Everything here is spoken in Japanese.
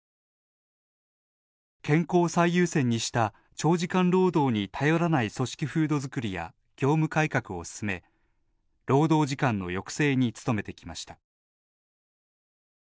健康を最優先にした長時間労働に頼らない組織風土作りや業務改革を進め労働時間の抑制に努めてきました。